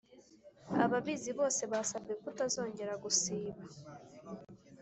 ababizi bose basabwe kutazongera gusiba